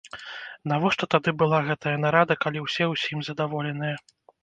Навошта тады была гэтая нарада, калі ўсе ўсім задаволеныя?